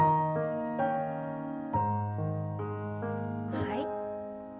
はい。